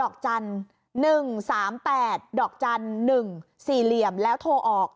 กดดอกจันตร์๑๓๘๑๔แล้วโทรออก